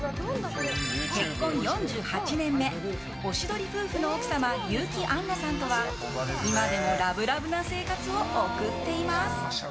結婚４８年目、おしどり夫婦の奥様・結城アンナさんとは今でもラブラブな生活を送っています。